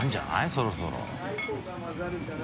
そろそろ。